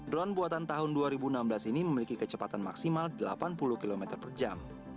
drone buatan tahun dua ribu enam belas ini memiliki kecepatan maksimal delapan puluh km per jam